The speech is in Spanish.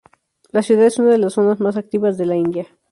La ciudad es una de las zonas más activas de la India.